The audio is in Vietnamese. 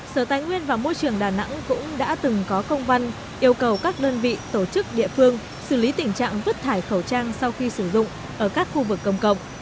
sở tài nguyên và môi trường đà nẵng cũng đã từng có công văn yêu cầu các đơn vị tổ chức địa phương xử lý tình trạng vứt thải khẩu trang sau khi sử dụng ở các khu vực công cộng